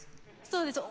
そうです。